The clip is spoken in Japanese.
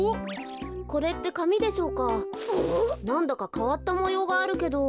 なんだかかわったもようがあるけど。